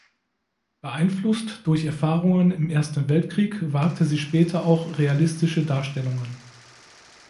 Beeinflusst durch Erfahrungen im Ersten Weltkrieg wagte sie später auch realistische Darstellungen.